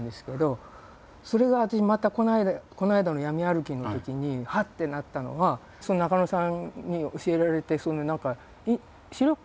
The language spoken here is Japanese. それが私またこの間の闇歩きのときにハッてなったのは中野さんに教えられてそういう何か「視力？